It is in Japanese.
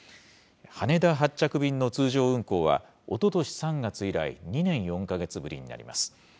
羽田発着便の通常運航は、おととし３月以来、２年４か月ぶりになります。